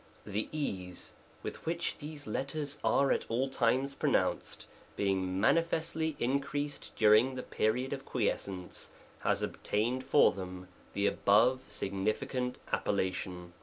The ease with which these letters are at all times pronounced, , being manifestly increased during the period of quiescence, has obtained for them the above sig nificant appellation.